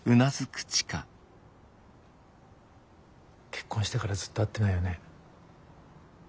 結婚してからずっと会ってないよね。